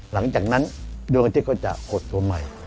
หลังจากนั้นดวงอาทิตย์ก็จะหดตัวใหม่